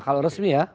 kalau resmi ya